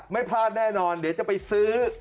ไม่พลาดแน่นอนเดี๋ยวจะไปซื้อ